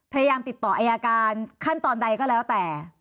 พยายามติดต่ออายการขั้นตอนใดก็แล้วแต่